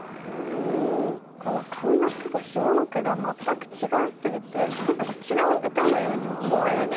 この上の句と下の句が全く違いすぎて何か違う歌のように思えますよね。